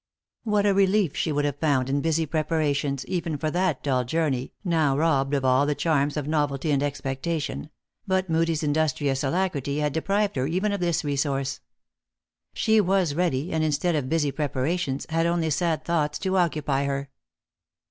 What a relief she would have found in busy preparations, even for that dull jour ney, now robbed of all the charms of novelty and expectation ; but Moodie s industrious alacrity had deprived her even of this resource. She was ready, and, instead of busy preparations, had only sad thoughts to occupy her.